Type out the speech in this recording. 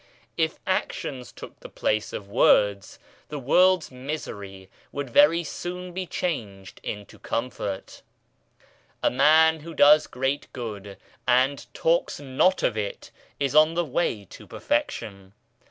If actions took the place of words, the world's misery would very soon be changed into comfort. A man who does great good, and talks not of it, is on the way to perfection.